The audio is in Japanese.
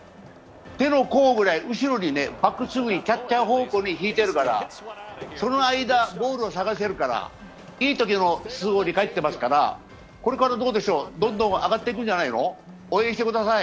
手の甲、後ろくらい、キャッチャー方向に引いてるから、その間、ボールを探せるからいいときの筒香に帰ってますから、これからどんどん上がっていくんじゃないの、応援してください。